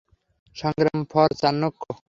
সংগ্রাম ফর চাণক্য।